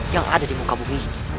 yang ada di muka bumi